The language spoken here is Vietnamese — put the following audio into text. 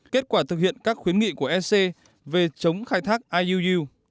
kết quả thực hiện các khuyến nghị của ec về chống khai thác iuu